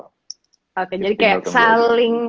oke jadi kayak saling